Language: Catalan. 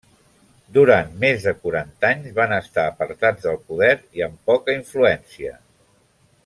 Durant més de quaranta anys van estar apartats del poder i amb poca influència.